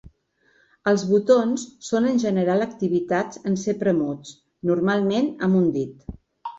Els botons són en general activats en ser premuts, normalment amb un dit.